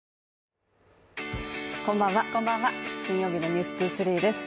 こんばんは金曜日の「ｎｅｗｓ２３」です。